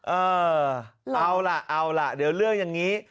เออเอาล่ะเอาล่ะเดี๋ยวเรื่องอย่างนี้